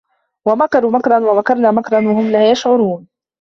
وَمَكَروا مَكرًا وَمَكَرنا مَكرًا وَهُم لا يَشعُرونَ